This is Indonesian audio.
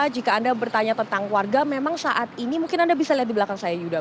jika anda bertanya tentang warga memang saat ini mungkin anda bisa lihat di belakang saya yuda